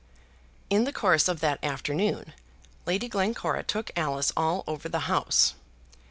"] In the course of that afternoon Lady Glencora took Alice all over the house.